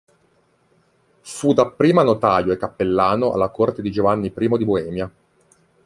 Fu dapprima notaio e cappellano alla corte di Giovanni I di Boemia.